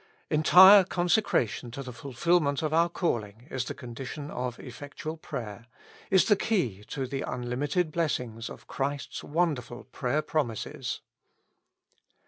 Entire consecration to the fulfilment of our calling is the condition of effectual prayer, is the key to the unlimited blessings of Christ's wonderful prayer promises.